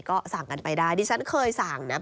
ก็สั่งกันไปได้ดิฉันเคยสั่งนะ